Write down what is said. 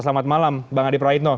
selamat malam bang adi praitno